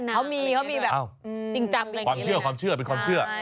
เขามีแบบจริงจำความเชื่อความเชื่อเป็นความเชื่อ